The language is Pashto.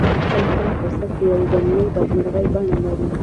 کله کله فرصت د يوې ضمني بدمرغۍ بڼه لري.